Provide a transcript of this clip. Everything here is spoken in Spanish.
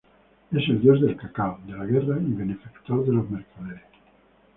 Es el dios del cacao, de la guerra y benefactor de los mercaderes.